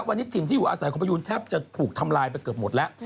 วันนี้ถิ่นที่อยู่อาศัยของพยูนแทบจะถูกทำลายไปเกือบหมดแล้ว